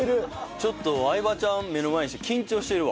ちょっと相葉ちゃん目の前にして緊張してるわ。